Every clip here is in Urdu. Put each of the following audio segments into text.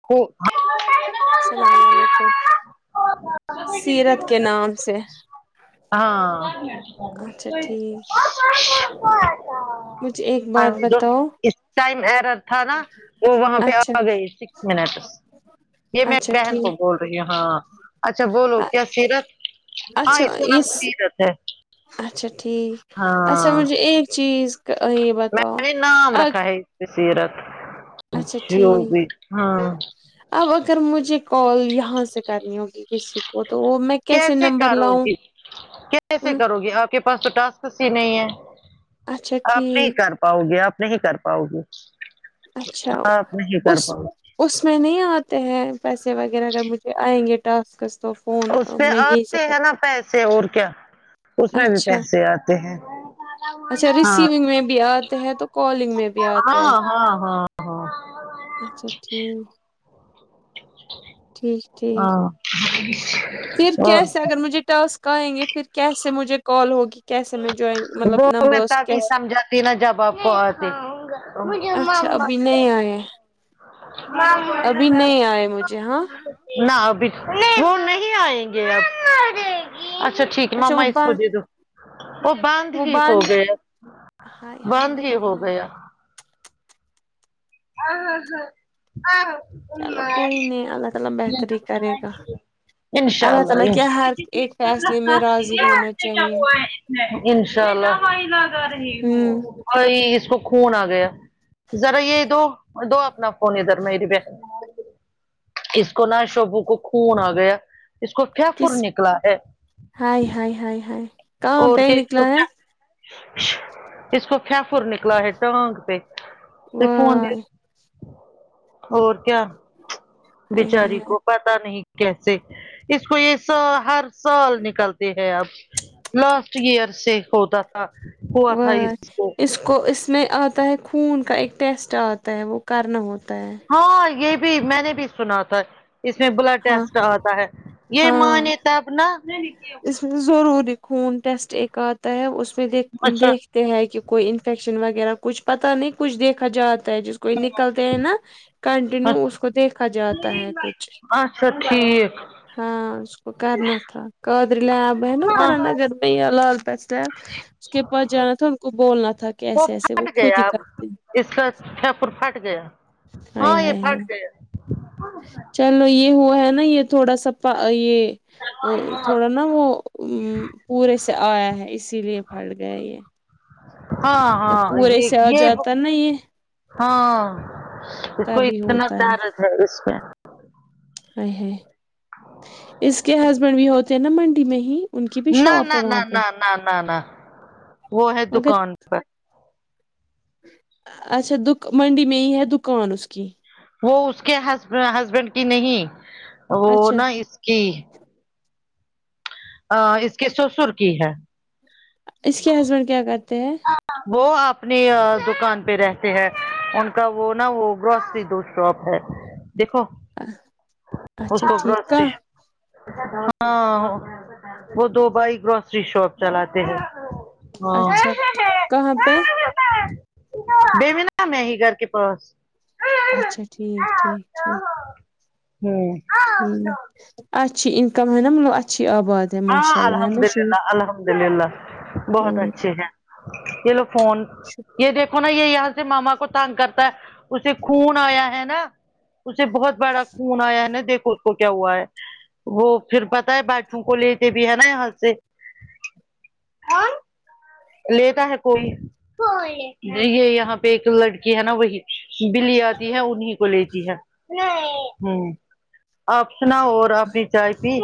ہواں [inaudible] اسلام علیکم سیرت کے نام سے اچھا ٹھیک ہاں مجھے ایک بات بتاؤ ٹائم ارر تھا نا وہ وہاں پہ اچھا آ گئی سکس منٹس یہ میں اچھا بہن کو ٹھیک بول رہی ہ ہاں اچھا بولو کیا سیرت ہاں اچھا اس کا نام اس سیرت ہے اچھا ٹھیک اچھا ہاں مجہے ایک چیز میں بتاؤ نے نام رکھا ہے اس سیرت اچھا جو ٹھیک بھی ہ اب اگر مجھے کال یہاں سے کرنی ہوگی کسی کو تو وہ میں کیسے نمبر کرو لاؤں گی کیسے کرو گی آپ کے پاس تو ٹاسکس ہی نہیں ہے اچھا آپ نہیں ٹھیک کر پاؤ گے آپ نہیں کر پاؤ گے اچھا ہاں آپ نہیں کر اس پاؤ گے اس میں نہیں آتے ہیں پیسے وغیرہ اگر مجھے آئیں گے ٹاسکس تو فون اس پہ میں یہی آتے سے ہیں نا پیسے اور کیا اس میں بھی اچھا پیسے آتے ہیں اچھا ہاں ریسیونگ میں بھی آتے ہے تو کالنگ میں بھی آتے ہے ہاں ہاں ہاں اچھا ٹھیک ٹھیک ٹھیک ہاں ہاں پھر اور کیسے اگر مجھے ٹاسک آئیں گے پھر کیسے مجھے کال ہوگی کیسے میں جوائن وہ مطلب میں نمبرس تبھی کیسے سمجھاتی نا جاب بتی م اچھا ابھی نہیں آئے ابھی نہیں آئے مجھے ہاں نہ ابھی وہ نہیں آئیں گے اب اچھا ٹھیک ہے اچھا ماما وہ اس اسکو بند دے دو وہ بند وہ ہی ہو بند گیا ہائے ہائے بند ہی ہائے ہو ہائے گیا [unintelligible] چلو کوئی نہیں اللہ تعالی بہتری کرے گا اللہ انشااللہ تعالی کیا انشا ہر ایک فیصلے میں راضی ہونا چاہیے انشاء اللہ ہوں اور اس کو خون آ گیا ذرا یہ دو دو اپنا نے ادھر میری اس کو نہ شبو کو خون آ گیا اس کو کی فر کس نکلا ہے ہائے ہائے ہائے ہائے کہاں اور پہ کیا اسکو نکلا ہے کیا اس کو کیا فر نکلا ہے ٹانگ پ فون واہ ہائے د اور کیا ہائے ہائے بچاری کو پ پتا نہیں کیسے اس کو یہ سا ہر سال نکلتے ہے اب لاسٹ ایئر سے ہوتا ہاں او اس کو اس میں آتا ہے خون کا ایک ٹیسٹ آتا ہے وہ کرنا ہوتا ہے ہاں یہ بھی میں نے بھی سنا تھا اس میں بلڈ ہاں ٹیسٹ آتا ہے یہ ہاں مانے تب نہ اس ضروری خون ٹیسٹ ایک آتا ہے اس میں دیکھ اچھا دیکھ ہے کہ کوئی انفیکشن وغیرہ کچھ پتا نہیں کچھ دیکھا جاتا ہے جس کوئی نکلتے ہیں نا کنٹینیو اچھا اس کو دیکھا جاتا ہے کچھ اچھا ٹھیک ہااسکو کر نا تھا قادری لاآب ہے نا ہاں کران اگھر یہ لال سم اس کے پاس جانا تھا ان کو بولنا تھا کہ ایسے ایسے وہ پھٹ خود گیا ہی اب کرتے اس کا شہ پور پھٹ گیا ہائے ہاں یہ ہائے ہائے پھٹ گیا چلو یہ ہوا ہے نا یہ تھوڑا سا یہ گیا تھوڑا ن نا وہ پورے سے آیا ہے اسی لیے پھٹ گئے یہ ہاں جب ہاں پورے یہ سے آ یہ جاتا نا یہ ہاں اس کو تبھی اتنا ہوتا درد ہے اس میں ہ ہ اس کے ہسبینڈ بھی ہوتے ہیں نا منڈی میں ہی ان کی بھی نہ شاپ نہ ہے نہ وہاں پہ نہ نہ نہ نہ وہ ہے مگر دکان پر اچھا دک منڈی میں یہ ہے دکان اس کی وہ اس کے ہسبینڈ کی نہیں وہ اچھا نا اس کی ا اس کے سسر کی ہے اس کے ہسبینڈ کیا کرتے ہیں وہ اپنی دکان پہ رہتے ہیں ان کا وہ نا وہ گروسری دوست شاپ ہے دیکھو ہ اس کو بر ہاں [unintelligible] وہ دو بھائی گروسری شاپ چلاتے ہیں ہاں اچھا کہاں پہ بےمین میں ہے ہی گھر کے پاس [unintelligible] اچھا ٹھیک ٹھیک ٹھیک ہوں اچھی انکم ہے نا مطلب اچھی آباد ہے ہاں ماشاء اللہ ہے الحمد نا شب للہ الحمد للہ بہت ہوں اچھے ہیں چلو فون یہ دیکھو نا یہ یا اس ماما کو تنگ کرتا ہے اسے خون آیا ہے نا اسے بہت بڑا خون آیا ہے نا دیکھو اس کو کیا ہوا ہے وہ پھر پتا ہے بٹوں کو لے کے [unintelligible] لیتا ہے کوئی یہ یہاں پہ ایک لڑکی ہے نا وہی بلی آتی ہے انیں آپ سناؤ اور اپنی چائے پی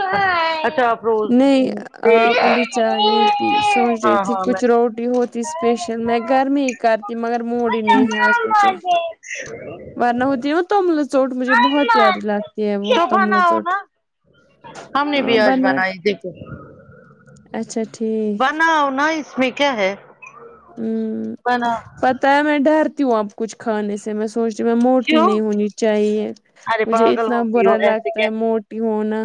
اٹا پروز نہیں آپ ابھی چائے نہیں پی سوچ تھی کچھ روٹی ہوتی اسپیشل میں گھر میں ہی کرتی مگر موڈ نہیں ہے آج مجھے ورنا ہوتی ہے وہ تملہ چوٹ مجھے بہت پیاری لگتی ہے وہ تو تملہ بناؤ چوٹ نا ہم نے ہاں بیاج بنا بنائی دیکھو اچھا ٹھیک بناؤ نا اس میں کیا ہے ہ بنا پتا ہے میں ڈرتی ہوں اب کچھ کھانے سے میں سوچنے میں موٹی کیوں نہیں ہونی چاہیے ارے مجھے پاگل اتنا ہوگئی ہو برا ایسے لگتا ہے کیسے مو تی ہونا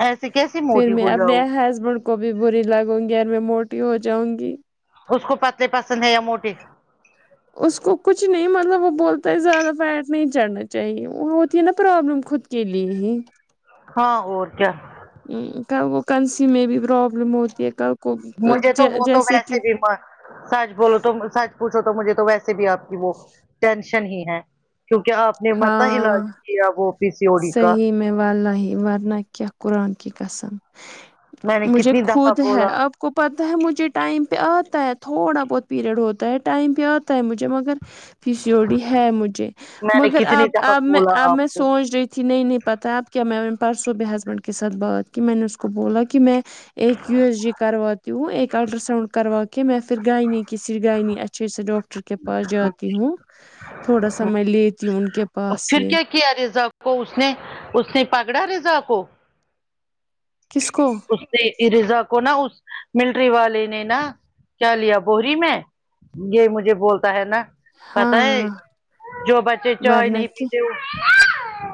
ایسی کیسی پھر موٹی میں ہو جاؤ اپنے ہسبینڈ کو بھی بری لگوں گی اور میں موٹی ہو جاؤں گی اس کو پتلے پسند ہے یا موٹیے اس کو کچھ نہیں مطلب وہ بولتا ہے زیادہ فیٹ نہیں چڑھنا چاہیے وہ ہوتی ہے نا پرابلم خود کے لیے ہی ہاں اور کیا کل وہ کنسی میں بھی پرابلم ہوتی ہے کل کو مجھے تو وہ تو جیسے کہ ویسے بھی م سچ بولو تو سچ پوچھو تو مجھے تو ویسے بھی آپ کی وہ ٹینشن ہی ہے کیونکہ آپ نے متا علاج ہاں کیا وہ پی سی او ڈی کا صحیح میں واللہ ورنہ کیا قرآن کی قسم میں نے مجھے کتنی دفعہ خود ہے بولا اب کو پتہ ہے مجھے ٹائم پہ آتا ہے تھوڑا بہت پیریڈ ہوتا ہے ٹائم پہ آتا ہے مجھے مگر پی سی او ڈی ہے مجھے میں نے مگر کتنی اب دفعہ اب میں بولا اب آپ میں کو سوچ رہی تھی ا تھی نہیں نہیں پتہ اب کیا میں پرسوں بھی ہسبینڈ کے ساتھ بات کی میں نے اس کو بولا کہ میں ایک یو ایس جی کرواتیو ایک الٹرا ساؤڈ کروا کے میں پھر گاینی کسی گاینی اچھے سے ڈاکٹر کے پاس جاتی ہوں تھوڑا سا میں لیتی ہوں ان کے پاس پھر یہ کیا کیا ریزا کو اس نے اس نے پکڑا ریزا کو کس کو اس نے ریزا کو نا اس ملٹری والے نے نا کیا لیا بوری میں یہ مجھے بولتا ہے نا پتا ہے ہاں جو بچے چائے ورنہ نہیں کہ پیتے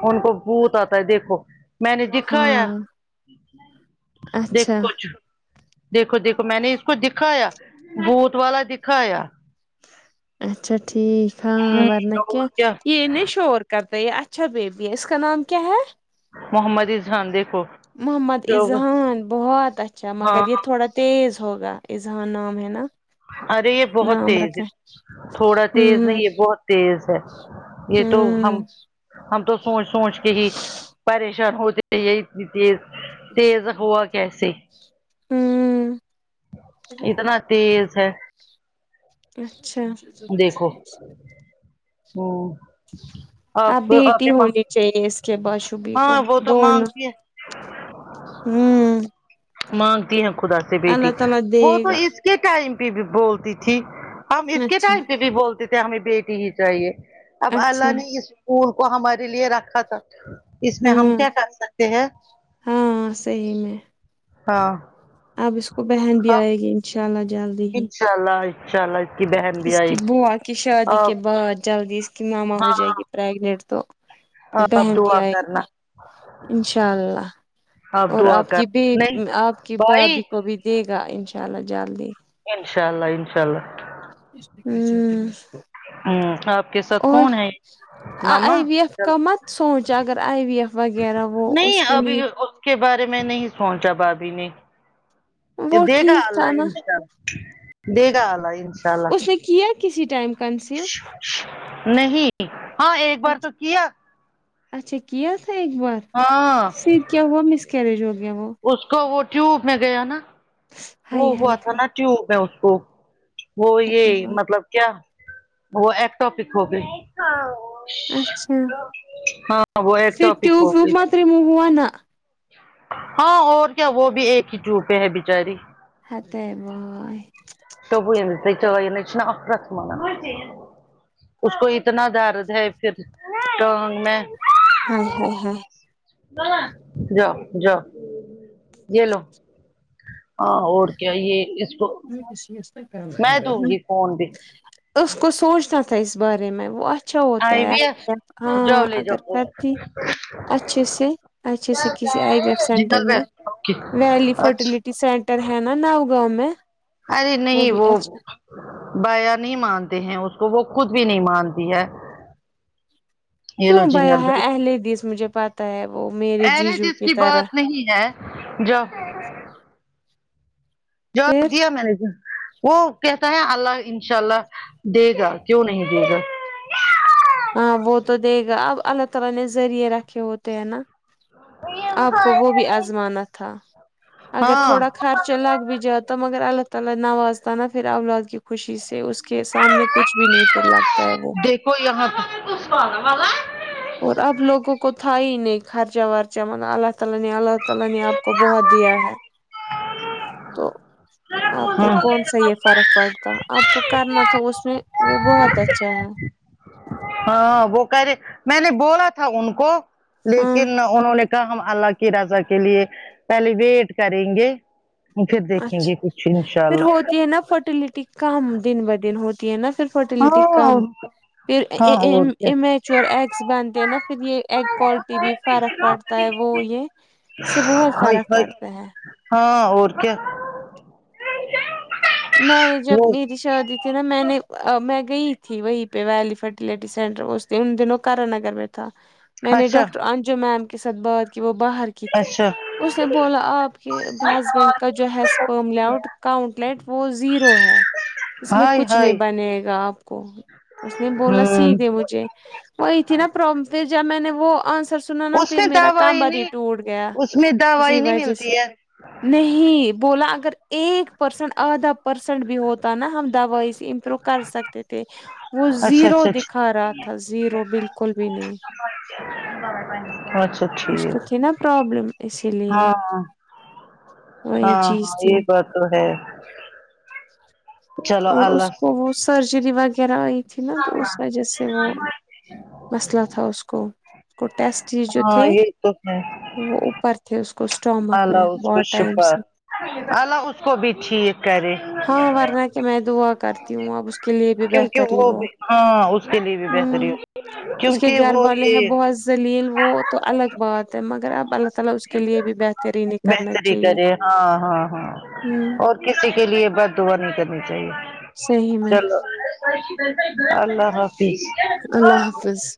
ان کو بھوت آتا ہے دیکھو میں نے دکھا یا ہاں دیکھ اچھا کرچ [unintelligible] دیکھو دیکھو میں نے اس کو دکھایا بھوت والا دکھایا اچھا ٹھیک ہاں ہوں ور نہ کیا اور یے نئی شور کرتے یہ اچھا بیبی ہے اس کا نام کیا ہے محمد اذحان دیکھو محمد جو اذحان بہت اچھا ہاں مگر یہ تھوڑا تیز ہوگا اذحان نام ہے نا ارے یہ بہت نام تیز رکھا ہے تھوڑا ہے۔ تیز ہوں نہیں یہ بہت تیز ہے یہ تو ہم ہوں ہم تو سوچ سوچ کے ہی پریشان ہوتے یہ اتنی تیز تیز ہوا کیسے ہوں اتنا تیز ہے اچھا دیکھو ہوں اب آپ کو آپ بیٹی کے ماں ہونی چاہیے اس کے بعشبی کو ہاں وہ تو دونوں مانگتی ہے ہوں مانگتی ہیں خدا سے بیٹی اللہ تعالی دے وہ تو گا اس کے ٹائم پہ بھی بولتی تھی ہم اس کے اچھا ٹائم پہ بھی بولتے تھے ہمیں بیٹی ہی چاہیے اب اچھا اللہ نے اس پھول کو ہمارے لیے رکھا تھا اس میں ہم ہاں کیا کر سکتے ہیں ہاں صحیح میں ہاں اب اس کو بہن بھی آئے گی انشاء اللہ جلدی ہی انشاءاللہ انشاءاللہ اس کی بوا کی شادی کے بعد جلدی اس کی ماما ہو ہاں جائے گی پریگننٹ تو آپ بہن بھی دعا کرنا ائینگی انشاء اللہ اور دعا آپ کی بھی کرنا نہیں آپ کی بھائی بھابھی کو بھی دے گا انشاء اللہ جلدی انشاء اللہ انشاء اللہ ہوں ہمم آپ کے ساتھ اور کون ہے آئی ماما وی ایف کا مت سوچ اگر آئی وی ایف وغیرہ وہ اس نہیں کے ابھی لیے اس کے بارے میں نہیں سوچا بھابھی نے اب وہ دیگا ٹھیک اللہ تھا نا انشاءاللہ دیگا اللہ انشاءاللہ اس نے کیا کسی ٹائم کنسیو نہیں ہاں ایک بار تو اچھا کیا اچھا کیا تھا ایک بار ہاں پھر کیا ہوا مس کیریج ہو گیا وہ اس کو وہ ٹیوب میں گیا نا وہ ہائی ہوا ہائی تھا ہائی نا ٹیوب ہے اس کو وہ یہ مطلب کیا وہ ایک ٹاپک ہوگئی اچھا وہ ایک پھر ٹاپک ٹیوب ہو ویوب گئی مے [unintelligible] ہاں اور کیا وہ بھی ایک ہی چو پہ ہے بچاری خات ہیں ب [unintelligible] [unintelligible] اس کو اتنا درد ہے پھر تو حمنے ہائے ہائے ہائے جاؤ جاؤ یے لو ہاں اور کیا یہ اس کو ک کام ہے میں گ دوں گی فون بھی [inaudible] اس کو سوچنا تھا ا اس بارے میں وہ اچھا ہوتا ہے وی آئی ڈ ای ایف ہاں جاؤ لے جاؤ اگر فون کرتی اچھے سے اچھے سے کسی آی بی ایف سینٹر جنگل میں بیل اوکے ویلی فرٹیلٹی اچھا سینٹر گھر ہے نہ نہ گاؤں میں ارے نہیں بھی وہ اچھا بایا نہیں مانتے ہیں اس کو وہ خود بھی نہیں مانتی ہے یہ لو کیوں بھیا جنگل ہے بیل اہلے دس مجھے پتہ ہے وہ میرے ارے جیجو جس کی طرح بات نہیں ہے جاؤ جواب پھر دیا مہینے وہ کہتا ہے اللہ انشاء اللہ دے گا کیوں نہیں دے گا ہاں وہ تو دے گا اب اللہ تعالی نے ذریعے رکھے ہوتے ہیں نا آپ کو وہ بھی آزمانا تھا اگر ہاں تھوڑا خرچ چلاگ بھی جاتا مگر اللہ تعالی نوازتا نا پھر اولاد کی خوشی سے اس کے سامنے کچھ بھی نہیں پھر لگتا ہے وہ دیکھو یہا اور اب لوگوں کو تھا ہی نہیں خرچہ ورچہ مطب اللہ تعالی نے اللہ لہ نے آپ کو بہت دیا ہے تو آپ کو کون سا یہ فرق پڑھتا آپ کو کرنا تھا اس میں وہ بہت اچھا ہاں ہے ہاں وہ کہہ رہے میں نے بولا تھا ان کو ہاں لیکن انہوں نے کہا ہم الله کی رضا کے لیے پہلے ویٹ کریں گے ہم پھر دیکھیں اچھا گے کچھ ان شاء پھر اللہ ہوتی ہے نا فرٹیلٹی کم دن ب دن ہوتی ہے نا پھر فرٹیلٹی ہاں کم پھر ے ہاں ے اور کیا امیچور ایگس بنتے نا پھر یہ ایگ کوالٹی بھی فرق پڑتا تا ہے وہ یہ سے بہت ہائی فرق ہائی پٹتا ہے ہاں اور کیا میں نے جب وہ جی شادی ٹلتھ نا میں نے م میں گئی تھی وہی پ ویلی فٹلٹی سنٹر توم ان دنو کر نگر میں تھا میں نے اچھا ڈاکٹر انجو میم کے ساتھ بات کی وہ باہر کی تھی اچھا اس نے بولا آپ کے ہسبینڈ کا جو ہےس پم لؤٹ کاؤنٹ لائٹ وہ زیرو ہے اس میں ہائے کچھ نہیں ہائے بنے گا آپ کو اس نے بولا سی ہوں دے مجھے وہی تھی نا پرلم پ جب میں نے وہ آنسر سنا نا اس میں پھر میرا کام دوائی بری نہیں ٹوٹ گیا اس میں اسی دوائی نہیں وجہ سے ملتی ہے نہیں بولا اگر ایک پرسنٹ آدھا پرسنٹ بھی ہوتا نا ہم دوائی س روکا سکتے تھے وہ اچھا زیرو اچھا دکھا رہا تھا زیرو بالکل بھی نہیں اچھا اس کو ٹھیک تھی نا پرابلم اسی لیے ہاں ہاں وہی ہاں ہاں چیز یہ تھی بات تو ہے چلو اور اس اللہ کو وہ سرجری وغیرہ آئی تھی نا تو اس وجہ سے وہ مثلا تھا اس کو کو ٹیسٹ ہی جو تھے توک میں [unintelligible] وہ اوپر تھے اس کو اسٹامک میں اس کو بہت ٹائم شفا سے اللہ اس کو بھی ٹھیک کرے ہاں ورنہ کہ میں دعا کرتی ہوں اب اس کے لیے بھی کیونکہ بہتر ہی وہ بھی ہاں اس کے لیے بھی بہتری ہوں ہو اس کے کیونکہ گھر وہ والے ہیں یہ بہت ذلیل وہ تو الگ بات ہے مگر اب اللہ تعالی اس کے لیے بھی بہترین ہی کرنا بہتری چاہیے کرے ہاں ہاں ہاں ہ اور کسی کے لیے بد دعا نہیں کرنی چاہیے صحیح میں چلو اللہ حافظ اللہ حافظ